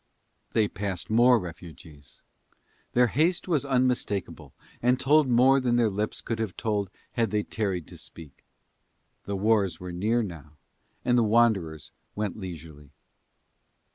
They passed more refugees: their haste was unmistakable, and told more than their lips could have told had they tarried to speak: the wars were near now, and the wanderers went leisurely.